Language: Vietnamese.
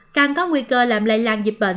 càng có nguy cơ làm lây lan dịch bệnh